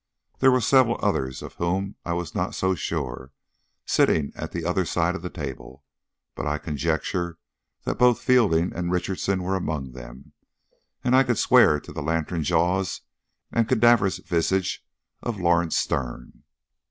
There were several others of whom I was not so sure, sitting at the other side of the table, but I conjecture that both Fielding and Richardson were among them, and I could swear to the lantern jaws and cadaverous visage of Lawrence Sterne.